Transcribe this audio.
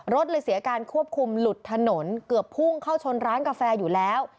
รถเลยเสียการควบคุมหลุดถนนเกือบพุ่งเข้าชนร้านกาแฟอยู่แล้ว